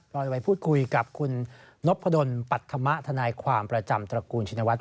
เราจะไปพูดคุยกับคุณนพดลปัธมะทนายความประจำตระกูลชินวัฒ